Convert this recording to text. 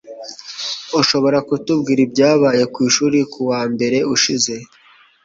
Ushobora kutubwira ibyabaye kwishuri kuwa mbere ushize?